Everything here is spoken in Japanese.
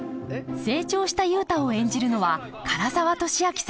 成長した雄太を演じるのは唐沢寿明さん。